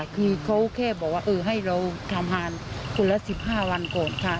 คือเขาแค่บอกว่าเออให้เราทำหารคนละสิบห้าวันก่อนค่ะ